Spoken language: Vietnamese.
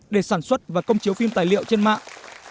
để sản xuất và công chiếu phim tài liệu trên mạng